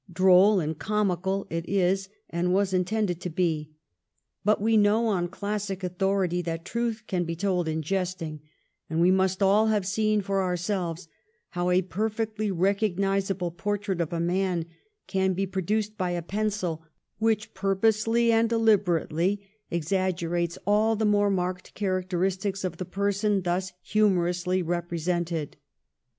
Droll and comical it is, and was intended to be ; but we know on classic authority that truth can be told in jesting, and we must all have seen for ourselves how a perfectly recognisable portrait of a man can be produced by a pencil which pur posely and deliberately exaggerates all the more marked characteristics of the person thus humor ously represented.